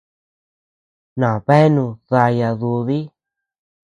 Nabeánu daya dudi.